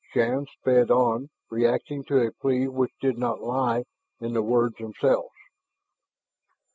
Shann sped on, reacting to a plea which did not lay in the words themselves.